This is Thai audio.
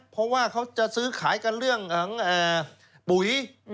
เพราะว่าเขาจะซื้อขายกันเรื่องปุ๋ย